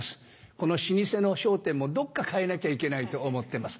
この老舗の『笑点』もどっか変えなきゃいけないと思ってます。